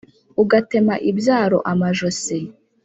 ugatema ibyaro amajosi.